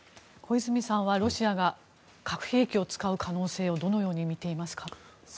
小泉さんはロシアが核兵器を使う可能性をどのよう見ていますか？